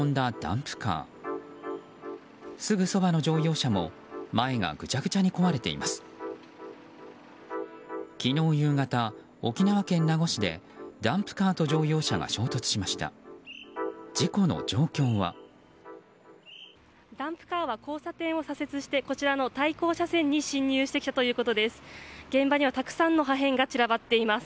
ダンプカーは交差点を左折してこちらの対向車線に進入してきたということです。